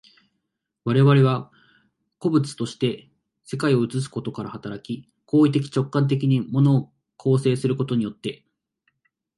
我々は個物として世界を映すことから働き、行為的直観的に物を構成することによって、